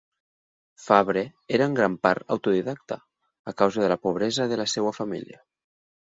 Fabre era en gran part autodidacta, a causa de la pobresa de la seva família.